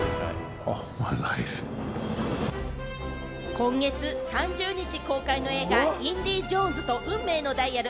今月３０日公開の映画『インディ・ジョーンズと運命のダイヤル』。